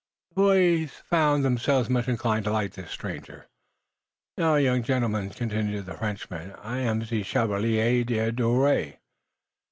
The boys found themselves much inclined to like this stranger. "Now, young gentlemen," continued the Frenchman, "I am ze Chevalier Gari d'Ouray."